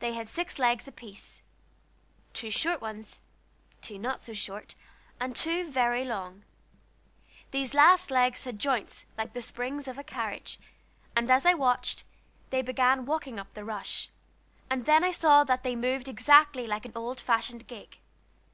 They had six legs apiece, two short ones, two not so short, and two very long. These last legs had joints like the springs to buggy tops; and as I watched, they began walking up the rush, and then I saw that they moved exactly like an old fashioned gig.